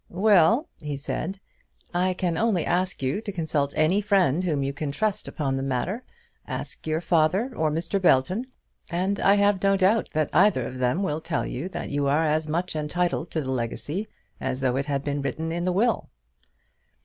"Well," he said, "I can only ask you to consult any friend whom you can trust upon the matter. Ask your father, or Mr. Belton, and I have no doubt that either of them will tell you that you are as much entitled to the legacy as though it had been written in the will."